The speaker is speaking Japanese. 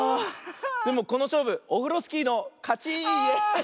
でもこのしょうぶオフロスキーのかち！イエー！